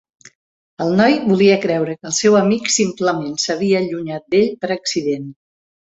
El noi volia creure que el seu amic simplement s'havia allunyat d'ell per accident.